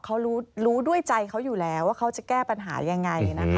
เขารู้ด้วยใจเขาอยู่แล้วว่าเขาจะแก้ปัญหายังไงนะคะ